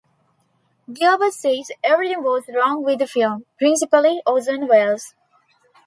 Gilbert says "everything was wrong with the film - principally Orson Welles".